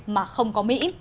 mà không có mỹ